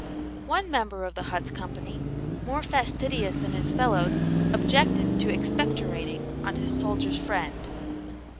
One member of the hut's company, more fastidious than his fellows, objected to expectorating on to his Soldier's Friend.